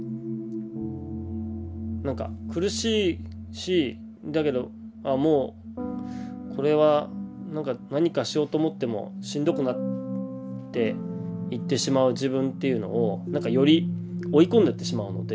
苦しいしだけどもうこれは何かしようと思ってもしんどくなっていってしまう自分っていうのをなんかより追い込んでいってしまうので。